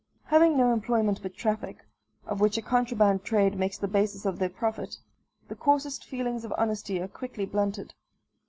Having no employment but traffic, of which a contraband trade makes the basis of their profit, the coarsest feelings of honesty are quickly blunted.